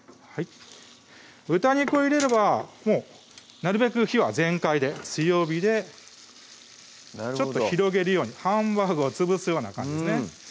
豚肉を入れればなるべく火は全開で強火でちょっと広げるようにハンバーグを潰すような感じですね